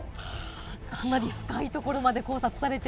かなり深いところまで考察さ